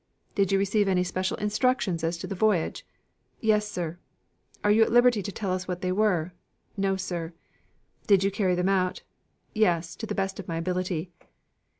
"Did you receive any special instructions as to the voyage?" "Yes, sir." "Are you at liberty to tell us what they were?" "No, sir." "Did you carry them out?" "Yes, to the best of my ability."